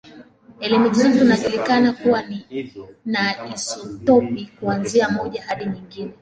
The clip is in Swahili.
Elementi zote zinajulikana kuwa na isotopi, kuanzia moja hadi nyingi.